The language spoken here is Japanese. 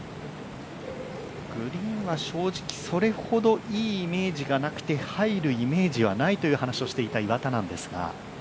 グリーンは正直、それほどいいイメージがなくて入るイメージはないという話をしていた岩田なんですが。